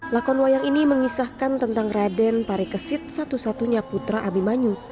lakon wayang ini mengisahkan tentang raden parikesit satu satunya putra abimanyu